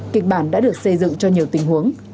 kịch bản đã được xây dựng cho nhiều tình huống